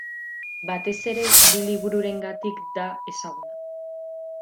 Batez ere bi libururengatik da ezaguna.